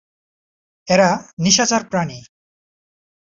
এরা নিশাচর প্রাণী।